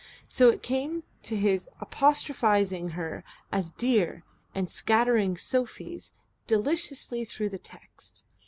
So it came to his apostrophizing her as "Dear" and scattering "Sophies" deliciously through the text.